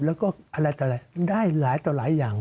แล้วก็อะไรได้หลายอย่าง